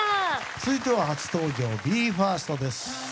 続いては、初登場ＢＥ：ＦＩＲＳＴです。